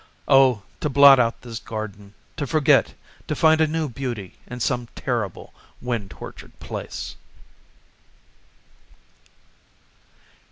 O to blot out this garden to forget, to find a new beauty in some terrible wind tortured place.